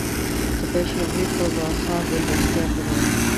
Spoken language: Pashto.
د پنج شنبې په ماښام میلمستیا کړې وه.